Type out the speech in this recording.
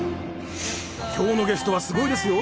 今日のゲストはすごいですよ。